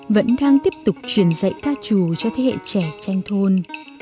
vẫn đang tiếp tục truyền dạy ca trù cho thế hệ trẻ tranh thôn